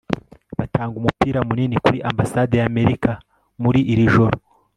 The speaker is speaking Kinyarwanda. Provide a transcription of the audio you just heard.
batanga umupira munini kuri ambasade yamerika muri iri joro